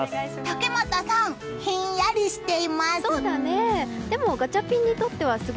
竹俣さん、ひんやりしています。